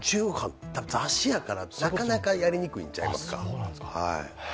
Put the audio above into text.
雑誌やから、なかなかやりにくいちゃいまっか？